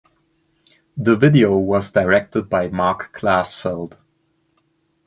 The video was directed by Marc Klasfeld.